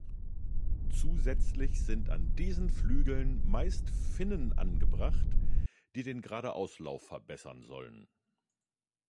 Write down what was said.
Zusätzlich sind an diesen Flügeln meist Finnen angebracht, die den Geradeauslauf verbessern sollen.